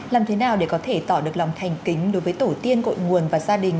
làm thế nào để có thể tỏ được lòng thành kính đối với tổ tiên cội nguồn và gia đình